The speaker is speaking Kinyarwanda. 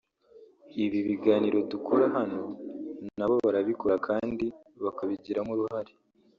ibi biganiro dukora hano na bo barabikora kandi bakabigiramo uruhare